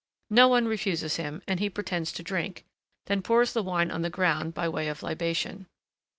No one refuses him, and he pretends to drink, then pours the wine on the ground by way of libation.